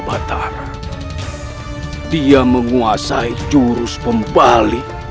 batar dia menguasai jurus pembalik